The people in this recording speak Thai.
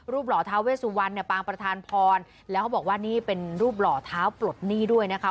หล่อท้าเวสุวรรณเนี่ยปางประธานพรแล้วเขาบอกว่านี่เป็นรูปหล่อเท้าปลดหนี้ด้วยนะคะ